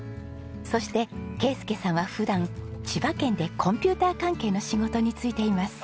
そして圭祐さんは普段千葉県でコンピューター関係の仕事に就いています。